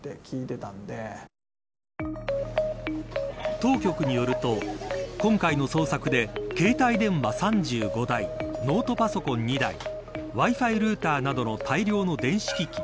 当局によると今回の捜索で、携帯電話は３５台ノートパソコン２台Ｗｉ−Ｆｉルーターなどの大量の電子機器。